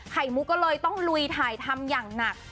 มุกก็เลยต้องลุยถ่ายทำอย่างหนัก